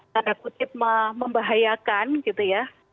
tanda kutip membahayakan gitu ya